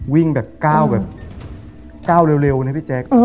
วิ่งแบบก้าวแบบก้าวเร็วนะพี่แจ๊ค